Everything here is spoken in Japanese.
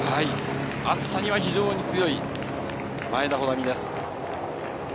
暑さには非常に強い前田穂南です。